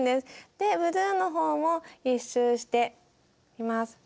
でブルーのほうも１周しています。